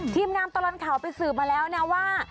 ทีมงานตลอดข่าวไปสืบมาแล้วนะว่า